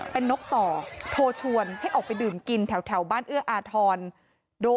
เป็นนกต่อโทรชวนให้ออกไปดื่มกินแถวบ้านเอื้ออาทร